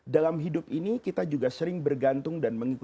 dalam hidup ini kita juga sering bergantung dan mengikuti